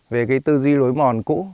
về cái tư duy lối mòn cũ